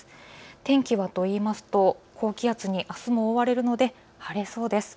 天気はといいますと、高気圧にあすも覆われますので晴れそうです。